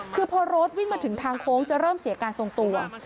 คือพอรถวิ่งมาถึงทางโค้งจะเริ่มเสียการทรงตัว